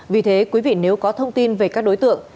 vì thế quý vị nếu có thông tin về các đối tượng